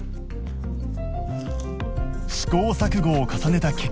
試行錯誤を重ねた結果